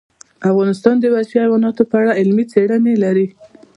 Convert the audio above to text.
افغانستان د وحشي حیوانات په اړه علمي څېړنې لري.